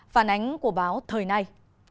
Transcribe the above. phản ánh của báo thời nay